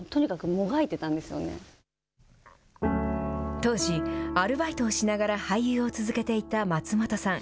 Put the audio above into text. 当時、アルバイトをしながら俳優を続けていた松本さん。